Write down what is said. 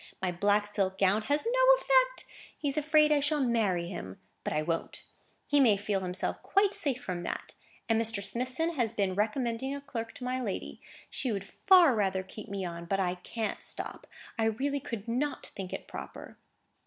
My black silk gown had no effect. He's afraid I shall marry him. But I won't; he may feel himself quite safe from that. And Mr. Smithson has been recommending a clerk to my lady. She would far rather keep me on; but I can't stop. I really could not think it proper."